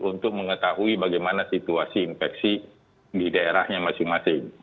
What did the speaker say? untuk mengetahui bagaimana situasi infeksi di daerahnya masing masing